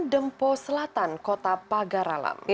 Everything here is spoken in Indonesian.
dempo selatan kota pagar alam